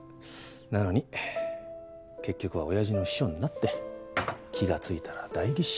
なのに結局はおやじの秘書になって気が付いたら代議士。